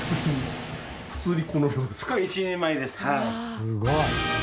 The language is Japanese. すごい。